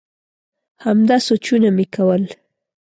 همدا سوچونه مي کول ؟